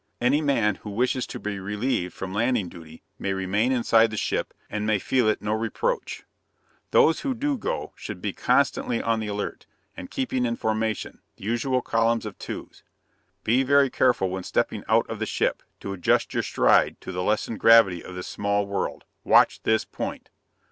Any man who wishes to be relieved from landing duty may remain inside the ship, and may feel it no reproach. Those who do go should be constantly on the alert, and keep in formation; the usual column of twos. Be very careful, when stepping out of the ship, to adjust your stride to the lessened gravity of this small world. Watch this point!"